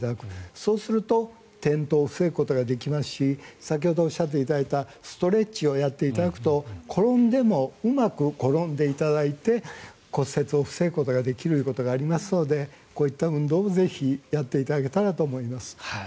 そうすると転倒を防ぐことができますし先ほどおっしゃっていただいたストレッチをやっていただくと転んでもうまく転んでいただいて骨折を防ぐことができるということがありますのでこういった運動もぜひやっていただけたらと思います。